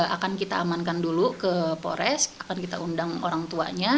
akan kita amankan dulu ke pores akan kita undang orang tuanya